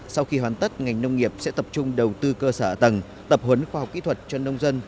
sau khi hoàn tất ngành nông nghiệp sẽ tập trung đầu tư cơ sở ả tầng tập huấn khoa học kỹ thuật cho nông dân